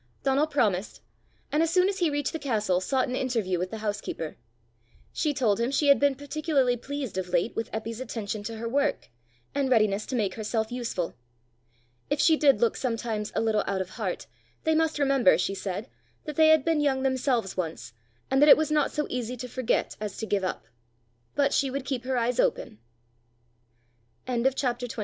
Donal promised, and as soon as he reached the castle sought an interview with the house keeper. She told him she had been particularly pleased of late with Eppy's attention to her work, and readiness to make herself useful. If she did look sometimes a little out of heart, they must remember, she said, that they had been young themselves once, and that it was not so easy to forget as to give up. But she would keep her eyes open! CHAPTER XXX.